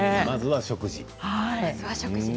まずは食事。